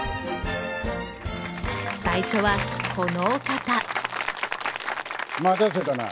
最初はこのお方待たせたな。